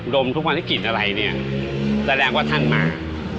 ดมทุกวันที่กลิ่นอะไรเนี่ยแสดงว่าท่านมา